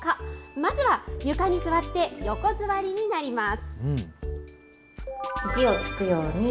まずは、床に座って横座りになります。